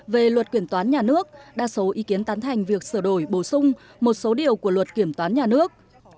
về luật kiểm toán nhà nước đa số ý kiến tán thành việc sửa đổi bổ sung một số điều của luật kiểm toán nhà nước